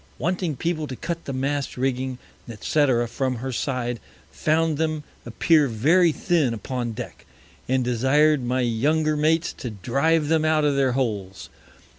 Wanting People to cut the Mast Rigging, &c. from her Side, found them appear very thin upon Deck, and desired my younger Mates to drive them out of their Holes.